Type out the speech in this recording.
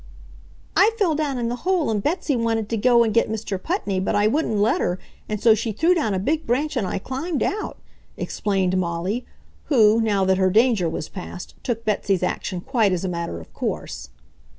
"I fell down in the hole, and Betsy wanted to go and get Mr. Putney, but I wouldn't let her, and so she threw down a big branch and I climbed out," explained Molly, who, now that her danger was past, took Betsy's action quite as a matter of course.